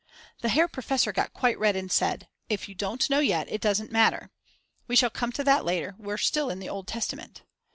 The Herr Professor got quite red and said: If you don't know yet it does not matter. We shall come to that later, we're still in the Old Testament.